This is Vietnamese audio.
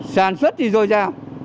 sản xuất thì rồi ra